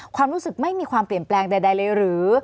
ความรู้สึกไม่มีความเปลี่ยนแปลงใดเลยหรือ